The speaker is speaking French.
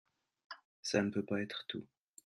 Ça ne peut pas être tout.